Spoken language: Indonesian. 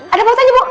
ada apa apa tanya bu